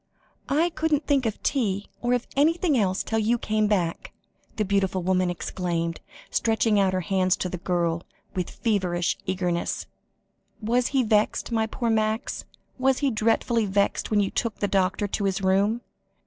"I couldn't think of tea, or of anything else till you came back," the beautiful woman exclaimed, stretching out her hands to the girl, with feverish eagerness. "Was he vexed my poor Max was he dreadfully vexed when you took the doctor to his room?"